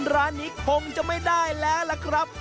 ร้านนี้คงจะไม่ได้แล้วล่ะครับ